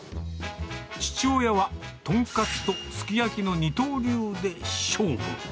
父親は、とんかつとすき焼きの二刀流で勝負。